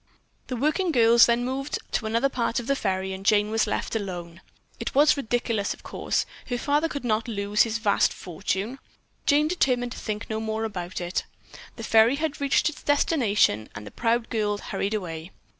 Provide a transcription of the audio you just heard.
The working girls then moved to another part of the ferry and Jane was left alone. It was ridiculous, of course. Her father could not lose his vast fortune. Jane determined to think no more about it. The ferry had reached its destination, and the proud girl hurried away.